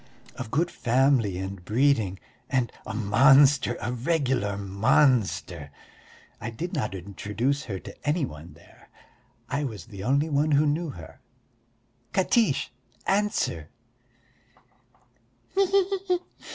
Of good family and breeding and a monster, a regular monster! I did not introduce her to any one there, I was the only one who knew her.... Katiche, answer!"